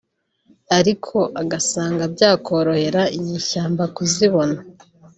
ariko agasanga byakorohera inyeshyamba kuzibona